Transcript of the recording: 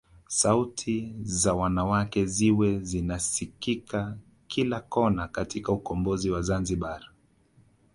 Sauti za wanawake ziwe zinasikika kila kona katika ukombozi wa Zanzibar